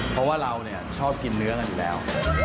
เพราะว่าเราชอบกินเนื้อกันอยู่แล้ว